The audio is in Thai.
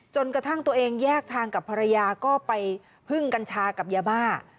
จนกระทั่งตัวเองแยกทางกับภรรยาก็ไปพึ่งกัญชากับยาบ้า